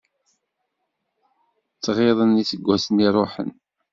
Ttɣiḍen iseggasen iruḥen.